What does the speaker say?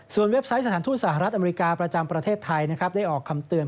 ส่วนเว็บไตค์สถานทุนสหรัฐอเมริกาประจำประเทศไทยได้ออกคำเตือน